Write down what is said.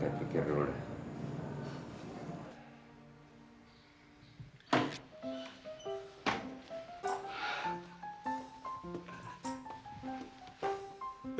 nanti kakek pikir dulu deh